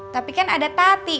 tapi kan ada tati